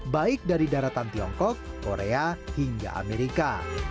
baik dari daratan tiongkok korea hingga amerika